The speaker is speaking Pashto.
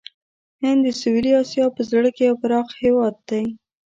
هند د سویلي آسیا په زړه کې یو پراخ هېواد دی.